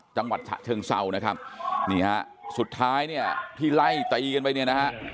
ฉะเชิงเศร้านะครับนี่ฮะสุดท้ายเนี่ยที่ไล่ตีกันไปเนี่ยนะฮะ